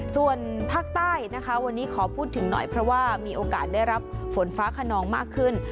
ส่วนภาคใต้นะคะวันนี้ขอพูดถึงหน่อยเพราะว่ามีโอกาสได้รับฝนฟ้าขนองมากขึ้น